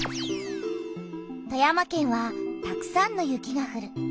富山県はたくさんの雪がふる。